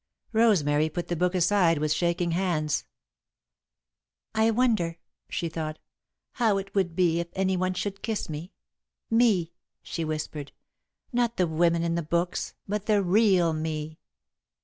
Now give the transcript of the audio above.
Rosemary put the book aside with shaking hands. "I wonder," she thought, "how it would be if anyone should kiss me. Me," she whispered; "not the women in the books, but the real me."